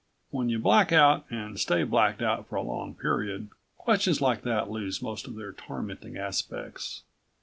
_ When you black out and stay blacked out for a long period, questions like that lose most of their tormenting aspects.